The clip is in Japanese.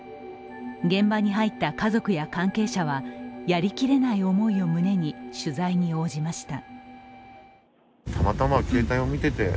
現場に入った家族や関係者はやりきれない思いを胸に取材に応じました。